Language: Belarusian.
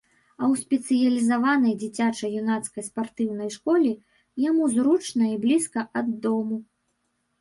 А ў спецыялізаванай дзіцяча-юнацкай спартыўнай школе яму зручна і блізка ад дому.